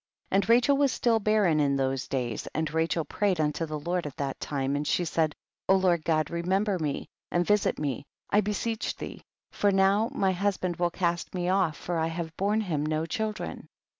19. And Rachel was still barren in those days, and Rachel prayed unto the Lord at that time, and she said, O Lord God remember me and visit me, I beseech thee, for now my husband will cast me off, for I have borne him no children.